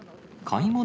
買い物。